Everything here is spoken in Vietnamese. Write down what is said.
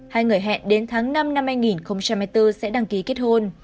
hai người hẹn đến tháng năm năm hai nghìn hai mươi bốn sẽ đăng ký kết hôn